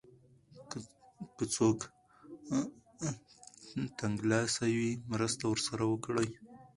که څوک تنګلاسی وي مرسته ورسره وکړئ.